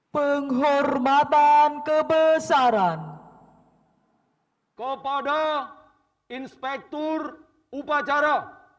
penghormatan kebesaran kepada inspektur upacara